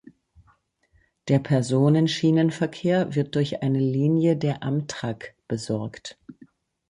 Der Personen-Schienenverkehr wird durch eine Linie der Amtrak besorgt.